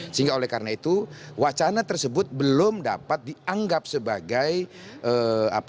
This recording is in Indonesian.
sehingga oleh karena itu wacana tersebut belum dapat dianggap sebagai obrolan biasa dalam kondisi demokrasi